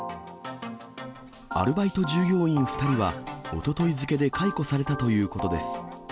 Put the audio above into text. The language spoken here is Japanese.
アルバイト従業員２人は、おととい付けで解雇されたということです。